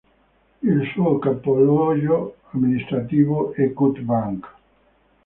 Il suo capoluogo amministrativo è Cut Bank.